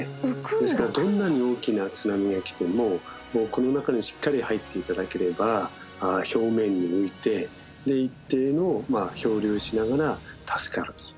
どんなに大きな津波が来てもこの中にしっかり入って頂ければ表面に浮いて一定の漂流しながら助かるというものなんです。